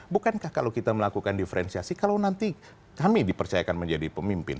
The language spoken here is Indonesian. bukankah kalau kita melakukan diferensiasi kalau nanti kami dipercayakan menjadi pemimpin